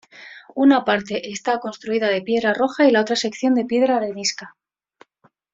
Una parte está construida de piedra roja y la otra sección de piedra arenisca.